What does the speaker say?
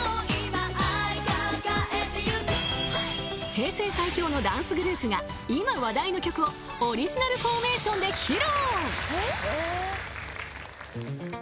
［平成最強のダンスグループが今話題の曲をオリジナルフォーメーションで披露］